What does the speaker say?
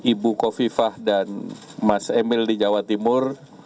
ibu kofifah dan mas emil di jawa timur